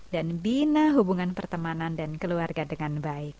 dan bina hubungan pertemanan dan keluarga dengan baik